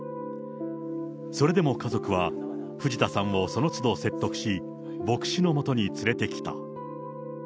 それでも家族は藤田さんをその都度説得し、牧師のもとに連れてきた。